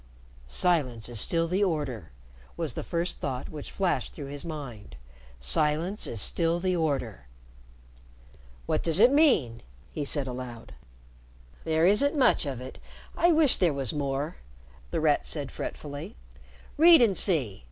"Silence is still the order," was the first thought which flashed through his mind. "Silence is still the order." "What does it mean?" he said aloud. "There isn't much of it. I wish there was more," The Rat said fretfully. "Read and see.